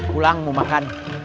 pulang mau makan